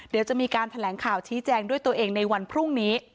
เดี๋ยวจะมีการแถลงข่าวชี้แจงด้วยตัวเองในวันพรุ่งนี้